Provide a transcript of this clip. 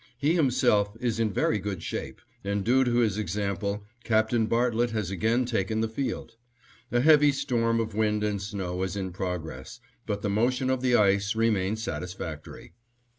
He himself is in very good shape and, due to his example, Captain Bartlett has again taken the field. A heavy storm of wind and snow is in progress, but the motion of the ice remains satisfactory.